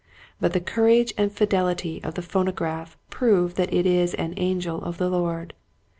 But the courage and fidelity of the phono graph prove that it is an angel of the Lord.